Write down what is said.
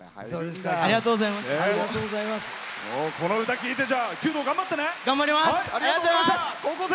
ありがとうございます！